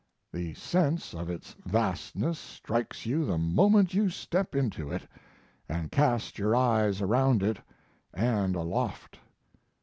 The sense of its vastness strikes you the moment you step into it & cast your eyes around it & aloft.